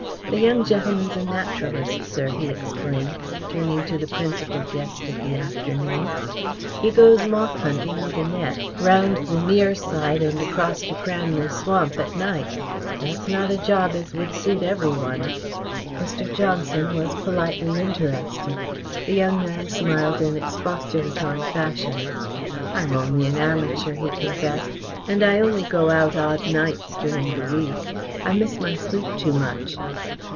"The young gentleman's a naturalist, sir," he explained, turning to the principal guest of the afternoon. "He goes moth hunting with a net, round the mere side and across to Cranley Swamp at night. That's not a job as would suit every one." Mr. Johnson was politely interested. The young man smiled in expostulatory fashion. "I am only an amateur," he confessed, "and I only go out odd nights during the week. I miss my sleep too much."